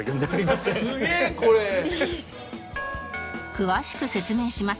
詳しく説明します